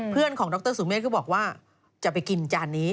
เพื่อนของดรสุเมฆก็บอกว่าจะไปกินจานนี้